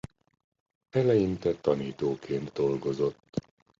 Eleinte tanítóként dolgozott.